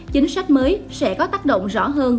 chính sách mới sẽ có tác động rõ hơn